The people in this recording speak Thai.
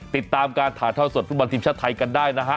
ติดตามการถ่ายทอดสดฟุตบอลทีมชาติไทยกันได้นะฮะ